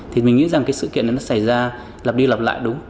thì mình nghĩ rằng cái sự kiện này nó xảy ra lập đi lập lại đúng